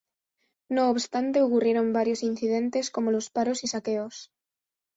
No obstante, ocurrieron varios incidentes como los paros y saqueos.